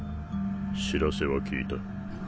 知らせは聞いた。